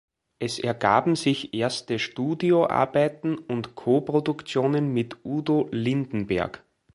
Es ergaben sich erste Studioarbeiten und Co-Produktionen mit Udo Lindenberg.